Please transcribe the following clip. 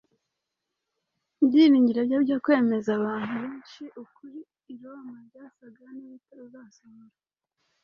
Ibyiringiro bye byo kwemeza abantu benshi ukuri i Roma byasaga n’ibitazasohora.